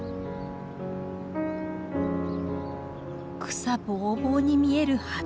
草ぼうぼうに見える畑。